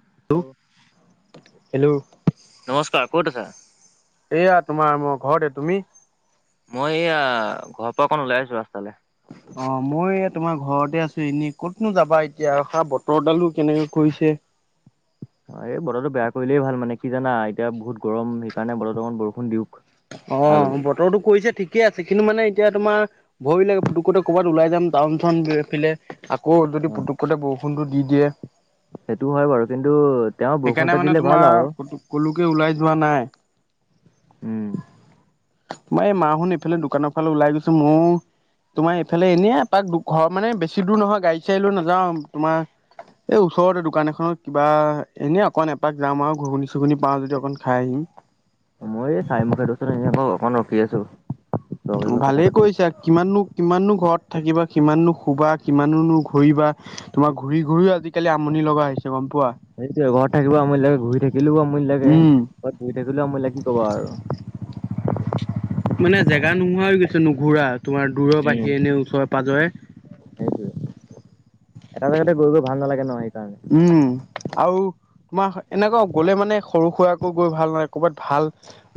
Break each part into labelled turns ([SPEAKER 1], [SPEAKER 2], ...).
[SPEAKER 1] [unintelligible] Hello
[SPEAKER 2] তাই ক'ত আছে?
[SPEAKER 1] এয়া তোমাৰ মোৰ ঘৰতে, তুমি?
[SPEAKER 2] মই এয়া, ঘৰৰ পৰা অকন ওলাই যোৱা ৰাস্তালে।
[SPEAKER 1] অ', মই তোমাৰ ঘৰতে আছো এনে কতনো যাবা এতিয়া খা বতৰ ডালো কেনেকে কৰি পিছে
[SPEAKER 2] অ', এই বতৰটো বেয়া কৰিলেই ভাল মানে কি জানা এতিয়া বহুত গৰম সেইকাৰণে বতৰ অকমান বৰষুণ দিওঁ
[SPEAKER 1] অ', বতৰটো কৰিছে ঠিকে আছে, কিন্তু মানে এতিয়া তোমাৰ, ভৰিবিলাক ফুটুকু ফুটুক ক'বাত ওলাই যাম টাউন চাউন আহ ফিলে। আকৌ যদি
[SPEAKER 2] অ'
[SPEAKER 1] পুতুককতে বৰষুণটো দি দিয়ে?
[SPEAKER 2] সেইটো হয় বাৰু কিন্তু তেওঁ বৰষুণ
[SPEAKER 1] সেইকাৰণে
[SPEAKER 2] এজাক
[SPEAKER 1] মানে
[SPEAKER 2] দিলে ভাল
[SPEAKER 1] তোমাৰ,
[SPEAKER 2] আৰু
[SPEAKER 1] পুতু ক'লোকে ওলাই যোৱা নাই।
[SPEAKER 2] উম।
[SPEAKER 1] মই এই মাহোন এইফালে দোকানৰ ফালে ওলাই গৈছে, মও তোমাৰ এইফালে এনেই এপাক দুঘৰ মানে বেছি দূৰ নহয় গাড়ী চাৰি লও নাযাও, তোমাৰ এই ওচৰতে দোকান এখনত কিবা এনেই অকণ এপাক যাম আৰু ঘুগুনি চুগুনি পাওঁ যদি অকণ খাই আহিম।
[SPEAKER 2] শুই আছো। লগৰ লগত কথা
[SPEAKER 1] ভালে
[SPEAKER 2] পাতি
[SPEAKER 1] কৰিছা, কিমাননো-কিমাননো ঘৰত থাকিবা কিমাননো শুবা কিমানোনো ঘূৰিবা, তোমাৰ ঘূৰি ঘূৰি আজিকালি আমনি লগা হৈছে। গম পোৱা
[SPEAKER 2] সেইটোৱে ঘৰত থাকিব আমনি লাগে ঘূৰি থাকিলেও আমনি লাগে,
[SPEAKER 1] উম।
[SPEAKER 2] ঘৰত ঘহি থাকিলেও আমনি লাগে কি কবা আৰু?
[SPEAKER 1] [unintelligible] মানে জেগা নোহোৱা হৈ গৈছে নুঘুৰা তোমাৰ দূৰৰ
[SPEAKER 2] উম।
[SPEAKER 1] বাহিৰে এনে ওচৰে
[SPEAKER 2] সেইটোৱে, এটা জেগাতে গৈ গৈ ভাল নালাগে ন'? সেইকাৰণে।
[SPEAKER 1] উম, আৰু তোমাৰ এনেকুৱা গলে মানে সৰু সুৰাকে গৈ ভাল নাই ক'বাত ভাল,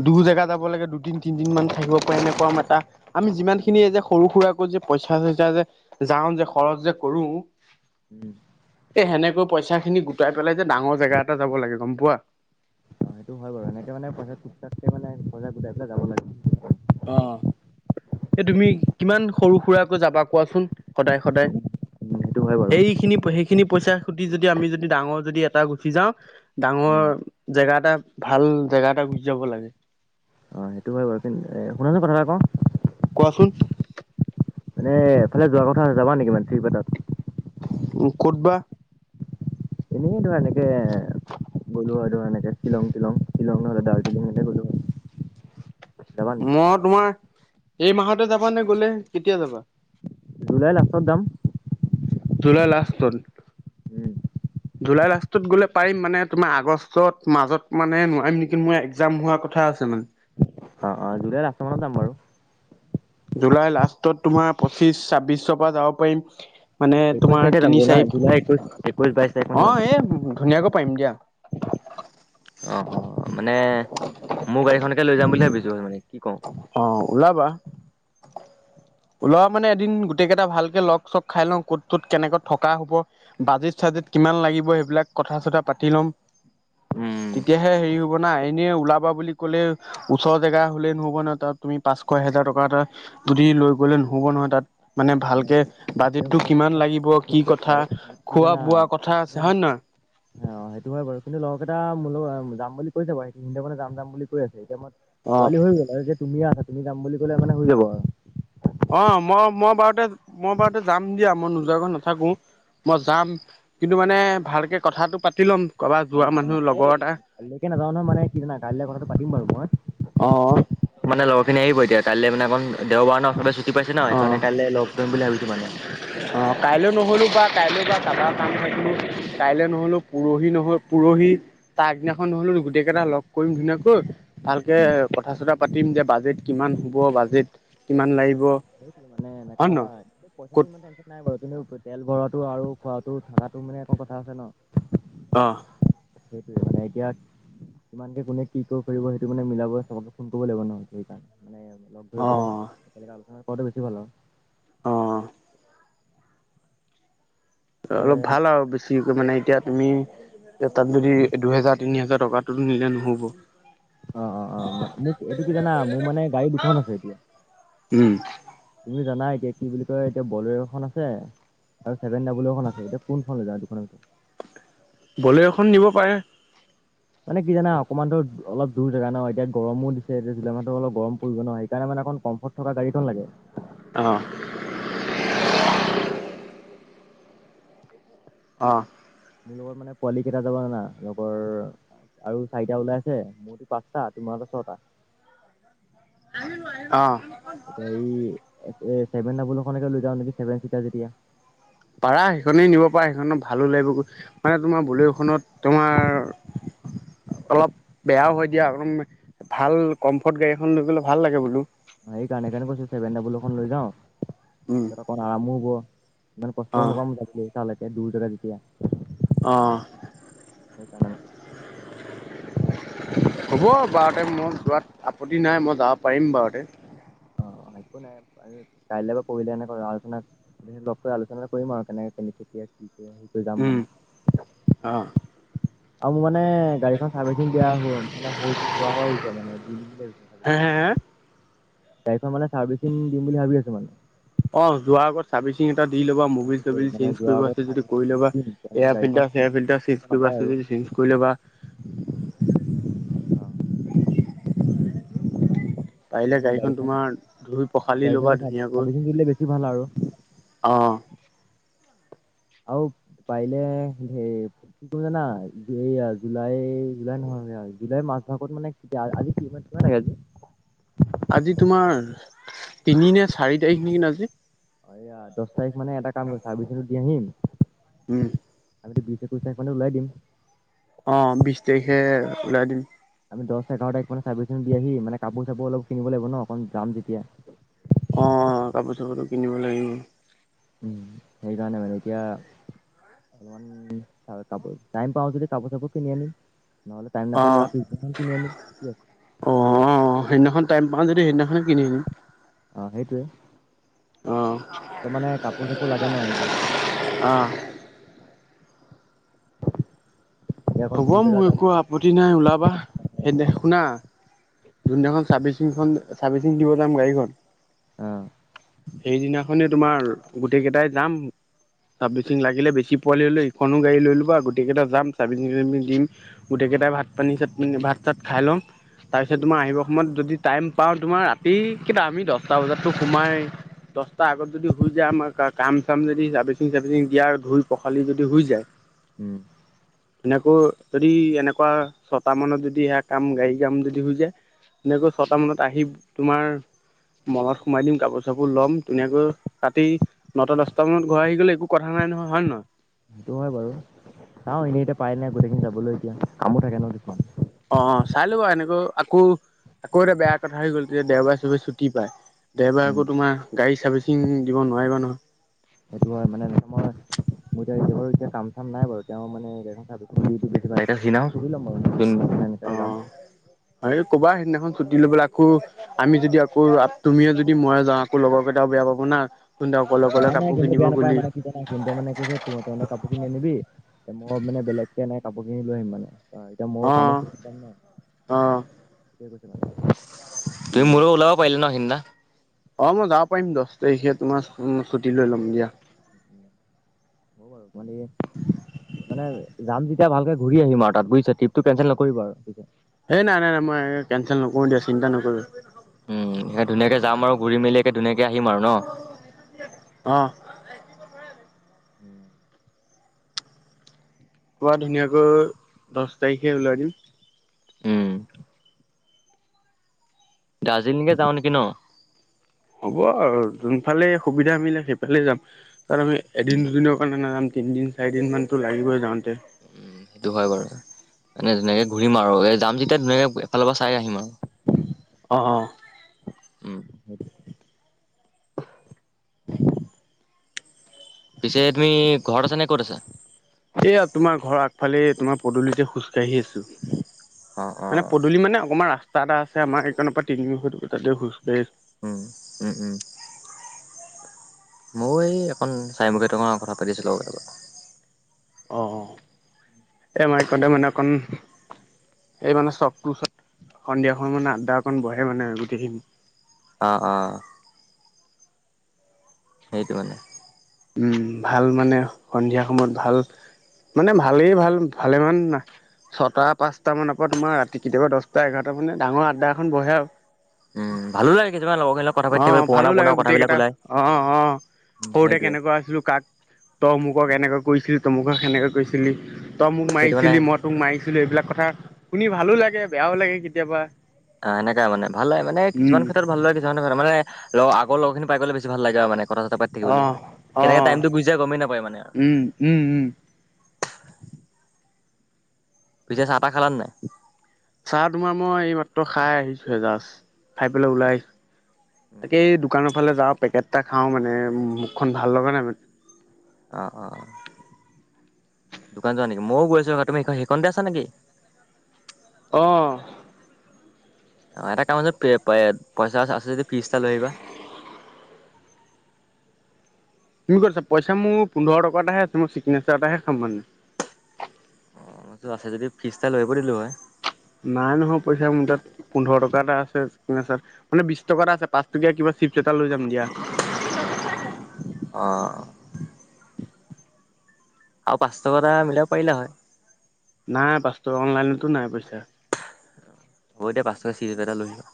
[SPEAKER 1] দূৰ জেগা যাব লাগে দুদিন তিনিদিন মান থাকিব পাৰিম নে [unintelligible] আমি যিমানখিনি এই যে সৰু সুৰাকৈ যে পইচা চইচা যে যাওঁ যে খৰচ যে কৰো
[SPEAKER 2] উম,
[SPEAKER 1] পইচাখিনি গোটাই পেলাই যে ডাঙৰ জেগা এটা যাব লাগে গম পোৱা?
[SPEAKER 2] অ', সেইটো হয় বাৰু এনেকে মানে পইচা টুক টাককে মানে সজাই গোটাই পেলাই যাব লাগে।
[SPEAKER 1] অ', এ তুমি কিমান সৰু সুৰাকৈ যাবা কোৱাচোন? সদায় সদায়,
[SPEAKER 2] উম, সেইটো হয় বাৰু
[SPEAKER 1] সেইখিনি সেইখিনি পইচা [unintelligible] যদি আমি যদি ডাঙৰ যদি এটা গুচি যাওঁ
[SPEAKER 2] উম
[SPEAKER 1] ডাঙৰ, জেগা এটা ভাল, জেগা এটা গুচি যাব লাগে।
[SPEAKER 2] অ', সেইটো হয় বাৰু কিন্ত, এ শুনা না কথা এটা কওঁ।
[SPEAKER 1] কোৱাচোন
[SPEAKER 2] মানে এফালে যোৱা কথা আছে যাবা নেকি মানে টিপ এটাত?
[SPEAKER 1] উম, ক'তবা?
[SPEAKER 2] এনেই ধৰা এনেকে, গ'লো আৰু এনেকে শ্বিলং তিলং। শ্বিলং নহলে দাৰ্জিলিং লে গলোঁ হয়। যাবা নেকি
[SPEAKER 1] মই তোমাৰ, এই মাহতে যাবা নে গলে, কেতিয়া যাবা?
[SPEAKER 2] জুলাইৰ লাষ্টত যাম।
[SPEAKER 1] জুলাইৰ লাষ্ট চোন।
[SPEAKER 2] উম,
[SPEAKER 1] জুলাই লাষ্টত গ'লে পাৰিম মানে তোমাৰ আগষ্টত মাজত মানে নোৱাৰিম নেকি! মই এক্জাম হোৱা কথা আছে মানে
[SPEAKER 2] অ, অ, জুলাইৰ লাষ্ট মানত যাম বাৰু
[SPEAKER 1] জুলাই লাষ্টত তোমাৰ পঁচিশ ছাব্বিশৰ পৰা যাব পাৰিম। মানে
[SPEAKER 2] একৈশ
[SPEAKER 1] তোমাৰ
[SPEAKER 2] তাৰিখে যাম
[SPEAKER 1] তিনি
[SPEAKER 2] জুলাই জুলাই
[SPEAKER 1] চাৰিত,
[SPEAKER 2] একৈশ একৈশ বাইশ তাৰিখ মানে
[SPEAKER 1] অ
[SPEAKER 2] যাম
[SPEAKER 1] এই ধুনীয়াকৈ পাৰিম দিয়া। [unintelligible]
[SPEAKER 2] অ, অ, মানে মোৰ গাড়ীখনকে লৈ যাম বুলি ভাবিছো মানে কি কওঁ
[SPEAKER 1] অ ওলাবা। অ মানে এদিন গোটেই কেইটা ভালকে লগ চগ খাই লওঁ ক'ত, ক'ত কেনেকৈ থকা হ'ব বাজেত চাজেত কিমান লাগিব সেইবিলাক কথা চথা পাতি ল'ম।
[SPEAKER 2] উম
[SPEAKER 1] তেতিয়াহে হেৰি হ'ব না এনে ওলাবা বুলি ক'লে ওচৰ জেগা হ'লেই নহ'ব নহয়, তাত তুমি পাঁচশ এহেজাৰ টকা এটা যদি লৈ গ'লে নহ'ব নহয় তাত মানে ভালকে
[SPEAKER 2] এতিয়া
[SPEAKER 1] বাজেটটো
[SPEAKER 2] এতিয়া
[SPEAKER 1] কিমান
[SPEAKER 2] কথা-
[SPEAKER 1] লাগিব
[SPEAKER 2] কথা
[SPEAKER 1] কি
[SPEAKER 2] শুনি যাম
[SPEAKER 1] কথা
[SPEAKER 2] বাৰু মানে কি
[SPEAKER 1] খোৱা -বোৱা কথা আছে
[SPEAKER 2] জানা
[SPEAKER 1] হয় নে নহয়।
[SPEAKER 2] অ সেইটো হয় বাৰু কিন্তু লগৰকেইটা মল [unintelligible] যাম বুলি কৈছে বাৰু সেইিন্দে মনে যাম যাম বুলি কৈ আছে, এতিয়া মই
[SPEAKER 1] নহয়
[SPEAKER 2] পোৱালি হৈ গ'ল আৰু যে তুমিএ আচা তুমি যাম বুলি ক'লে মানে হৈ যাব আৰু
[SPEAKER 1] অ মই -মই বাৰুতে মই বাৰুতে যাম দিয়া মই নোযোৱা কৈ নাথাকো মই যাম কিন্তু মানে ভালকে কথাটো পাতি ল'ম কাৰোবাৰ
[SPEAKER 2] অ
[SPEAKER 1] যোৱা মানুহ
[SPEAKER 2] মানে
[SPEAKER 1] লগৰ এটা
[SPEAKER 2] [unintelligible] কাইলৈকে নাযাওঁ নহয় মানে কি জানা কাইলৈ কথাটো পাতিম বাৰু মই
[SPEAKER 1] অ, অ।
[SPEAKER 2] মানে লগৰ খিনি আহিব এতিয়া কাইলৈ মানে অকণ দেওবাৰ ন চবে ছুটি পাইছে ন
[SPEAKER 1] অ
[SPEAKER 2] সেইকাৰনে কাইলৈ লগ কৰিম বুলি ভাবিছো মানে
[SPEAKER 1] অ কাইলৈ নহলো বা কাইলৈ বা কাৰোবাৰ কাম থাকিলো কাইলৈ নহলো পৰহি নহ পৰহি তাৰগদিনাখন নহ'লো গোটেই কেইটা লগ কৰিম ধুনীয়াকৈ ভালকে
[SPEAKER 2] উম
[SPEAKER 1] কথা চথা পাতিম যে বাজেট কিমান হ'ব বাজেট কিমান লাগিব
[SPEAKER 2] মানে
[SPEAKER 1] হয়
[SPEAKER 2] এনেকা
[SPEAKER 1] নহয়
[SPEAKER 2] পইচাটো
[SPEAKER 1] ক'ত
[SPEAKER 2] ইমান টেনশন নাই বাৰু কিন্তু তেল ভৰোৱাত টো আৰু খোৱাতো থাকাতো মানে একো কথা আছে ন
[SPEAKER 1] অহ।
[SPEAKER 2] সেইটোৱে মানে এতিয়া কিমানকে কোনে কি ক কৰিব সেইটো মানে মিলাব চবকে ফোন কৰিব লাগিব নহ সেইকাৰণে মানে লগ ধৰি
[SPEAKER 1] অ
[SPEAKER 2] পেলাই একেলকে আলোচনা কৰাতে বেছি ভাল আৰু
[SPEAKER 1] অ। অলপ ভাল আৰু বেছি মানে এতিয়া তুমি তাত যদি দুহেজাৰ তিনি হোজাৰ টকাতটো নিলে নহ'ব
[SPEAKER 2] অ -অ -অ ম মোক এইটো কি জানা মোৰ মানে গাড়ী দুখন আছে এতিয়া
[SPEAKER 1] উম।
[SPEAKER 2] তুমি জানা এতিয়া কি বুলি কয় এতিয়া বলেৰখন আছে আৰু ছেভেন ডাব্লখন আছে এতিয়া কোন খন লৈ যায় দুখনৰ ভিতৰত
[SPEAKER 1] বলেৰ' খন নিব পাৰে।
[SPEAKER 2] মানে কি জানা অকণমানতো অলপ দুৰ জোগা ন এতিয়া গৰমো দিছে এতিয়া জুলাই মাহটো অলপ গৰম পৰিব ন সেইকাৰণে মানে কমফৰ্ট থকা গাড়ীখন লাগে,
[SPEAKER 1] অ
[SPEAKER 2] আৰাম
[SPEAKER 1] অ।
[SPEAKER 2] মোৰ লগত মানে পোৱালি কেইটা যাব জানা? লগৰ আৰু চাৰিটা ওলাই আছে মোৰতো পাঁচটা তোমাৰটো ছটা
[SPEAKER 1] অ।
[SPEAKER 2] এতিয়া এই এ চছেভেন ডাবলখনকে লৈ যাও নেকি চেভেনচিতাৰ যেতিয়া
[SPEAKER 1] পাৰা সেইখনেই নিব পাৰা সেইখনত ভালো লাগিব গৈ মানে তোমাৰ বলেৰখনত তোমাৰ অলপ বেয়াও হয় দিয়া, অ ভাল কমফৰ্ট গাড়ীখন লৈ গলে ভাল লাগে বোলো
[SPEAKER 2] এইকাৰণে কাৰণে কৈছো চছেভেন ডাবুল' খন লৈ যাও
[SPEAKER 1] উম
[SPEAKER 2] ইয়াত অকণ আৰামো হব ইমান
[SPEAKER 1] অ
[SPEAKER 2] কষ্টও নাপাম তালৈকে দূৰ জগা যেতিয়া
[SPEAKER 1] অহ।
[SPEAKER 2] মানে [unintelligible]
[SPEAKER 1] হ'ব বাৰতে মই যোৱাত আপত্তি নাই মই যাব পাৰিম বাৰতে
[SPEAKER 2] অ একো নাই কাইলৈ বা পৰহিলে এনেক আলোচনা লগ কৰি আলোচনা কৰিম আৰু কেনেকে কেনে কেতিয়া কি যাম
[SPEAKER 1] উম
[SPEAKER 2] মানে
[SPEAKER 1] অ
[SPEAKER 2] আৰু মোই মানে গাড়ীখন চাৰ্ভিচিং দিয়া হল মানে হৈছে হোৱা হোৱা হৈছে মানে
[SPEAKER 1] হ
[SPEAKER 2] বুলি
[SPEAKER 1] [unintelligible]
[SPEAKER 2] গাড়ীখন মানে চাৰ্ভিচিং দিম বুলি ভাবি আছো মানে।
[SPEAKER 1] অ যোৱাৰ আগত চাৰ্ভিচিঙ দি ল'বা
[SPEAKER 2] অ
[SPEAKER 1] মুবিল
[SPEAKER 2] সেইটোৱে
[SPEAKER 1] চবিল
[SPEAKER 2] মানে
[SPEAKER 1] চেঞ্জ
[SPEAKER 2] যোৱাৰ
[SPEAKER 1] কৰিব
[SPEAKER 2] আগত
[SPEAKER 1] আছে যদি
[SPEAKER 2] চাৰ্ভিচিং
[SPEAKER 1] কৰি
[SPEAKER 2] দি
[SPEAKER 1] ল'বা
[SPEAKER 2] দিম তেতিয়া মানে
[SPEAKER 1] এয়াৰ
[SPEAKER 2] গাড়ীখন
[SPEAKER 1] ফিল্টাৰ চেয়াৰ
[SPEAKER 2] মানে
[SPEAKER 1] ফিল্টাৰ
[SPEAKER 2] কষ্ট
[SPEAKER 1] চেঞ্জকৰিব
[SPEAKER 2] নাপায় আৰু
[SPEAKER 1] আছে যদি চে ইউজ কৰি লবা
[SPEAKER 2] অ তেতিয়া
[SPEAKER 1] পাৰিলে
[SPEAKER 2] মানে
[SPEAKER 1] গাড়ীখন তোমাৰ ধুই পখালি
[SPEAKER 2] গাড়ীখন
[SPEAKER 1] ল'বা
[SPEAKER 2] চাৰ্ভিচিং দিলে বেছি ভাল আৰু
[SPEAKER 1] ধুনীয়াকৈ অঁ।
[SPEAKER 2] আৰু পাৰিলে হে কি কম জানা এইয়া জুলাই- জুলাই নহয় জুলাইৰ মাহ ভাগত মানে আজি কিহত কিমান তাৰিখ আজি
[SPEAKER 1] আজি তোমাৰ তিনি নে চাৰি তাৰিখ নেকি আজি
[SPEAKER 2] এয়া দচ তাৰিখ মানে এটা কাম কৰিম চাৰভিচিঙ টো দি আহিম
[SPEAKER 1] উম।
[SPEAKER 2] আমিতো বিশ একৈশ তাৰিখ মানে ওলাই দিম।
[SPEAKER 1] অ বিশ তাৰিখে ওলাই দিম।
[SPEAKER 2] আমি দশ এঘাৰ তাৰিখ মানে চাৰ্ভিচিং দি আহি মানে কাপোৰ- চাপোৰ অলপ কিনিব লাগিব ন অকণ যাম যেতিয়া
[SPEAKER 1] অ কাপোৰ- চাপুৰ ও কিনিব লাগিব।
[SPEAKER 2] উম সেইকাৰনে মানে এতিয়া অলপমান কাপোৰ টাইম পাওঁ যদি কাপোৰ চাপোৰ কিনি আনিম নহ'লে টাইম নাপালে
[SPEAKER 1] অ'
[SPEAKER 2] ৰাতি কিনি আনিম
[SPEAKER 1] অ' সেইদিনাখন টাইম পাও যদি সেইদিনাখনে কিনি দিম।
[SPEAKER 2] অ সেইটোয়ে
[SPEAKER 1] অ'
[SPEAKER 2] অলপ মানে কাপোৰ চাপোৰ লাগে ন সেইকাৰণে
[SPEAKER 1] অ'
[SPEAKER 2] এতিয়া অকণ
[SPEAKER 1] হ'ব
[SPEAKER 2] দূৰ জেগা
[SPEAKER 1] মোৰ
[SPEAKER 2] যাম
[SPEAKER 1] একো
[SPEAKER 2] যেতিয়া
[SPEAKER 1] আপত্তি নাই ওলাবা সেইদে শুনা। যোন দিনাখন চাৰ্ভিচিংখন চাৰ্ভিচিং দিব যাম গাড়ীখন
[SPEAKER 2] অহ।
[SPEAKER 1] সেইদিনাখনে তোমাৰ গোটেই কেইটাই যাম চাৰ্ভিচিং লাগিলে বেছি পোৱালি হলে সিখনো গাডী লৈ ল'বা গোটেইটা যাম চাৰ্ভিচিং তাৰ্ভিচিং দিম গটে কেইটাই ভাত পানী চাত পানি ভাত- চাত খাই লম তাৰপিছত তোমাৰ আহিবৰ সময়ত যদি টাইম পাওঁ তোমাৰ ৰাতি কেইটা আমি দহটা বজাততো সোমাই দহটা আগত যদি শুই যায় আমাৰ কাম চাম যদি চাৰ্ভিচিং চাবিচিং দিয়া ধুই পখালি যদি হৈ যায়
[SPEAKER 2] উম।
[SPEAKER 1] এনেকৈ যদি এনেকুৱা ছটা মানত যদি সেয়া কাম গাড়ী কাম যদি যে এনেকৈ ছটা মানত আহি তোমাৰ মলত সোমাই দিম কাপোৰ চাপোৰ ল'ম ধুনীয়াকৈ ৰাতি নটা-দচটা মানত ঘৰ আহি গলে একো কথা নাই নহয় হয়- নহয়?
[SPEAKER 2] সেইটো হয় বাৰু, চাওঁ এনেই এতিয়া পাই নাই গোটেইখিনি যাবলৈ এতিয়া কামো থাকে ন কিছুমান
[SPEAKER 1] অ চাই লবা এনেকৈ আকৌ আকৌ এটা বেয়া কথা হৈ গ'ল যে দেওবাৰে চবে ছুটি পায়। দেওবাৰে আক
[SPEAKER 2] উম
[SPEAKER 1] তোমাৰ গাড়ী চাৰ্ভিচিং দিব নোৱাৰিবা নহয়।
[SPEAKER 2] সেইটো হয় মানে মই মই এয়া এতিয়া বাৰ এয়া কাম চাম নাই বাৰু তেওঁ মানে [unintelligible] সুধি ল'ম বাৰু। উম
[SPEAKER 1] অ
[SPEAKER 2] সেনেকাই যাম।
[SPEAKER 1] এই ক'বা সেইদিনাখন ছুটি লৈ পেলাই আকৌ, আমি যদি আকৌ তুমিয়ে যদি মই যাওঁ আকৌ লগৰ কেইটাও বেয়া পাব না। তহঁতে অকলে অকলে
[SPEAKER 2] নাই নাই
[SPEAKER 1] কাপোৰ
[SPEAKER 2] সিহঁতে
[SPEAKER 1] কিনিব
[SPEAKER 2] বেয়া নাপাই
[SPEAKER 1] গলি
[SPEAKER 2] মানে কি জানা সিহঁতে মানে কৈছে তই - তই মোৰ কাপোৰ খিনি আনিবি মই মানে বেলেগ কেনে কাপোৰ লৈ আহিম মানে আহ এতিয়া মই
[SPEAKER 1] অ অ
[SPEAKER 2] [unintelligible] তুমি
[SPEAKER 1] উম
[SPEAKER 2] মোৰো লগত ওলাব পাৰিলা ন সেইনা।
[SPEAKER 1] অ মই যাব পাৰিম দছ তাৰিখে তোমাৰ ছুটী লৈ ল'ম দিয়া। [inaudible]
[SPEAKER 2] [unintelligible] মানে যাম যেতিয়া ভালকে ঘূৰি আহিম আৰু তাত বুজিছে ট্ৰিপটো কেনচেল নকৰিবা আৰু এতিয়া
[SPEAKER 1] এই নাই নাই নাই মই কেনচেল নকৰো দিয়া চিন্তা নকৰিবা।
[SPEAKER 2] উম হে ধুনীয়াকে যাম আৰু ঘুৰি মেলি একে ধুনীয়াক-
[SPEAKER 1] অহ।
[SPEAKER 2] [inaudible]
[SPEAKER 1] পোৱা ধুনীয়াকৈ দছ তাৰিখে ওলাই দিম।
[SPEAKER 2] উম। দাৰ্জিলিঙে যাওঁ নেকি ন?
[SPEAKER 1] কোৱা‌ আৰু যোনফালে সুবিধা মিলে সেইফালে যাম, তাত আমি এদিন দুদিনৰ কাৰণে নাযাম। তিনিদিন চাৰিদিন মানতো লাগিবই যাওঁতে।
[SPEAKER 2] উম সেইটো হয় বাৰু। এনে ধুনীয়াকে ঘূৰিম আৰু এ যাম যেতিয়া ধুনীয়াকে এফালৰ পৰা চাই আহিম আও।
[SPEAKER 1] অ অ।
[SPEAKER 2] উম। পিছে তুমি ঘৰত আছা নে ক'ত আছা?
[SPEAKER 1] এয়া তোমাৰ ঘৰৰ আগফালে তোমাৰ পদূলিতে খোজকাঢ়ি আছো।
[SPEAKER 2] অ',
[SPEAKER 1] মানে
[SPEAKER 2] অ'।
[SPEAKER 1] পদূলি মানে অকমান ৰাস্তা এটা আছে আমাৰ সেইকনৰ পৰা তিনি‌ [unintelligible] তাতে খোজ কাঢ়ি আছো।
[SPEAKER 2] উম, উম, উম। ময়ো এই এখন চাইমুখে তোমাৰ কথা পাতি আছিলো লগৰ কেইটাৰ লগত।
[SPEAKER 1] অ' এ মই এইকনতে‌ মানে অকন এই মানে চকটোৰ ওচৰত সন্ধিয়াখন মানে আদ্দা অকণ বহে মানে গোটেইখিনি।
[SPEAKER 2] অ অ। সেইটো মানে।
[SPEAKER 1] উম, ভাল মানে সন্ধিয়া সময়ত ভাল। মানে ভালেই ভাল ভালেমান না ছটা পাঁচটা মানৰ পৰা তোমাৰ ৰাতি কেতিয়াবা দছটা এঘাৰটা মানে ডাঙৰ আড্ডা এখন বহে আও।
[SPEAKER 2] উম, ভালো লাগে কেতিয়াবা ‌লগৰ খিনি লগত কথা পাতি
[SPEAKER 1] অ
[SPEAKER 2] থাকিবলৈ পুৰণা
[SPEAKER 1] ভালো
[SPEAKER 2] পুৰণা
[SPEAKER 1] লাগে গোটেই
[SPEAKER 2] কথাবিলাক
[SPEAKER 1] কেইটা
[SPEAKER 2] ওলাই।
[SPEAKER 1] অ অ
[SPEAKER 2] উম,
[SPEAKER 1] সৰুতে
[SPEAKER 2] সেইটোৱে
[SPEAKER 1] কেনেকুৱা আছিলো কাক তই অমুকক এনেকে কৈছিলি তমুকক সেনেকে কৈছিলি। তই মোক
[SPEAKER 2] সেইটো মানে
[SPEAKER 1] মাৰিছিলি মই তোক মাৰিছিলো এইবিলাক কথা শুনি ভালো লাগে, বেয়াও লাগে কেতিয়াবা।
[SPEAKER 2] অ সেনেকা মান ভাল হয় মানে কিছুমান
[SPEAKER 1] উম
[SPEAKER 2] ক্ষেত্ৰত ভাল হয় কিছুমানে তাৰমানে লগৰ আৰ লগৰখিনি পাই গলে বেছি ভাল লাগে আৰু মানে। কথা চথা পাতি থাকিবলৈ,
[SPEAKER 1] অ',
[SPEAKER 2] কেনেকে
[SPEAKER 1] অ',
[SPEAKER 2] টাইমটো গুচি যায় গমেই নাপায় মানে আৰ।
[SPEAKER 1] উম উম উম
[SPEAKER 2] পিছে চাহ তাহ খালা নে নাই?
[SPEAKER 1] চাহ তোমাৰ মই এই মাত্ৰ খাই আহিছো হে‌ জাছ, ‌ খাই পেলাই ওলাই, তাকেই দোকানৰ ফালে যাওঁ, পেকেট এটা খাওঁ মানে মুখখন ভাল লগা নাই মানে।
[SPEAKER 2] অ অ। দোকান যোৱা নেকি? মইও গৈ আছো ৰবা তুমি সেইখন সেইখনতে আছা নেকি?
[SPEAKER 1] অ।
[SPEAKER 2] অ' এটা কাম আছে পইচা আছে যদি [unintelligible] এটা লৈ আহিবা।
[SPEAKER 1] [inaudible] তুমি কৈছা পইচা মোৰ পোন্ধৰ টকাতাহে আছে। মই চিগনেচাৰ এটাহে খাম মানে।
[SPEAKER 2] টো আছে যদি ফিজ এটা লৈ আহিব দিলোঁ হয়।
[SPEAKER 1] নাই নহয় পইচা মোৰ তাত। পোন্ধৰ টকা এটা আছে। [unintelligible] মানে বিছ টকা এটা আছে। পাঁচ টকীয়া কিবা চিপছ এটা লৈ যাম দিয়া।
[SPEAKER 2] অ আৰু পাঁচ টকা এটা মিলাব পাৰিলা হয়।
[SPEAKER 1] নাই পাঁচ টকা অনলাইনতো নাই পইচা।
[SPEAKER 2] হ'ব দিয়া পাঁচ টকা চিগেৰেট এটা লৈ লোৱা।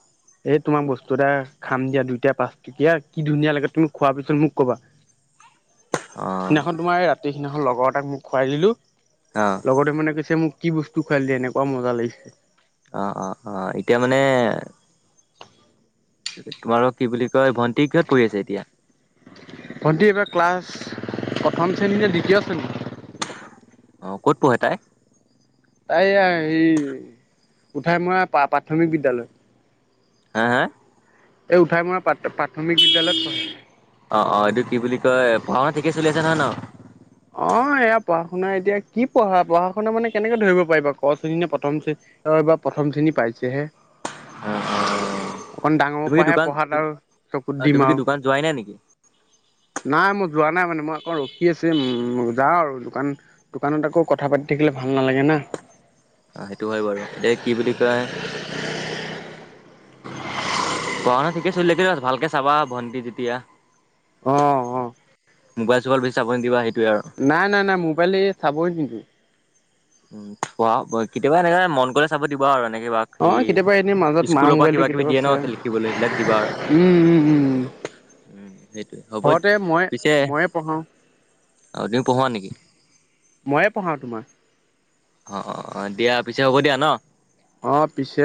[SPEAKER 1] এই তোমাক বস্তু এটা খাম দিয়া দুইটাই, পাঁচটকীয়া কি ধুনীয়া লাগে। তুমি খোৱাৰ পিছত মোক ক'বা। [inaudible]
[SPEAKER 2] অ
[SPEAKER 1] সিদিনাখন তোমাৰ এই ৰাতি, সিদিনাখন লগৰ এটাক মোক খোৱাই দিলো।
[SPEAKER 2] অ
[SPEAKER 1] লগৰটোৱে মানে কৈছে মোক কি বস্তু খুৱাই দিলি এনেকুৱা মজা লাগিছে।
[SPEAKER 2] অ-অ-অ এতিয়া মানে তোমালোকৰ কি বুলি কয়, ভন্টি কিহত কৰি আছে এতিয়া?
[SPEAKER 1] ভণ্টি এইবাৰ ক্লাছ প্ৰথম শ্ৰেণী নে দ্বিতীয় শ্ৰেণী?
[SPEAKER 2] অ, ক'ত পঢ়ে তাই?
[SPEAKER 1] এইয়া হেই উঠাই মৰা প্ৰা-প্ৰাথমিক বিদ্যালয়।
[SPEAKER 2] হা হা?
[SPEAKER 1] এই উঠাই মৰা প্ৰা প্ৰাথমিক বিদ্যালয়ত পঢ়ে।
[SPEAKER 2] অ, অ এইটো কি বুলি কয়? পঢ়া-শুনা ঠিকে চলি আছে নহয় ন?
[SPEAKER 1] অ, এয়া পঢ়া-শুনা এতিয়া কি পঢ়া পঢ়া-শুনা মানে কেনেকে ধৰিব পাৰিবা ক শ্ৰেণী নে প্ৰথম শ্ৰেণী? অ এইবাৰ প্ৰথম শ্ৰেণী পাইছেহে।
[SPEAKER 2] অ অ
[SPEAKER 1] অকণ ডাঙৰৰ
[SPEAKER 2] তুমি কি
[SPEAKER 1] পৰাহে
[SPEAKER 2] দোকান
[SPEAKER 1] পঢ়াত আৰু চকুত
[SPEAKER 2] অ তুমি
[SPEAKER 1] দিম
[SPEAKER 2] কি
[SPEAKER 1] আও।
[SPEAKER 2] দোকান যোৱাই নাই নেকি?
[SPEAKER 1] নাই মই যোৱা নাই মানে মই অকণ ৰখি আছো। উম, যাওঁ আৰু দোকান দোকানত আকৌ কথা পাতি থাকিলে ভাল নালাগে না।
[SPEAKER 2] অ সেইটো হয় বাৰু। এতিয়া কি বুলি কয় পঢ়া-শুনা ঠিকে চলি থাকিলে হ'ল। ভালকে চাবা ভন্টি যেতিয়া।
[SPEAKER 1] অ, অ।
[SPEAKER 2] মোবাইল চোবাইল বেছি চাব নিদিবা সি
[SPEAKER 1] নাই, নাই, নাই মোবাইল এই চাবই নিদো।
[SPEAKER 2] উম, পোৱা কেতিয়াবা এনেকা মন কৰিলে চাব দিব আৰু এনেক এইবাহত
[SPEAKER 1] অ', কেতিয়াবা এনেই মাজত
[SPEAKER 2] কি
[SPEAKER 1] মা
[SPEAKER 2] স্কুলৰ পৰা
[SPEAKER 1] মোবাইলটো
[SPEAKER 2] কিবা কিবি
[SPEAKER 1] কেতিয়াবা
[SPEAKER 2] দিয়ে
[SPEAKER 1] চাই
[SPEAKER 2] ন লিখিবলৈ এইবিলাক দিব আৰু। উম, সেইটোৱে, হ'ব
[SPEAKER 1] ঘৰতে মই
[SPEAKER 2] পিছে
[SPEAKER 1] ময়ে পঢ়াও
[SPEAKER 2] [unintelligible] পঢ়োৱা নেকি?
[SPEAKER 1] মইয়ে পঢ়াওঁ তোমাৰ।
[SPEAKER 2] অ-অ, অ দিয়া পিছে হ'ব দিয়া ন?
[SPEAKER 1] অ পিছে